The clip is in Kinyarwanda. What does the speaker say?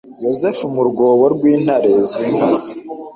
yosefu mu rwobo rw'intare zinkazi